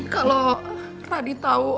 kalau radit tau